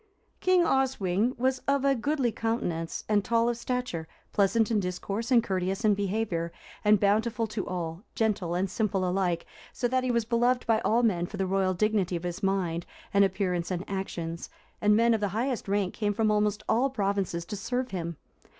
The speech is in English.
King Oswin was of a goodly countenance, and tall of stature, pleasant in discourse, and courteous in behaviour; and bountiful to all, gentle and simple alike; so that he was beloved by all men for the royal dignity of his mind and appearance and actions, and men of the highest rank came from almost all provinces to serve him.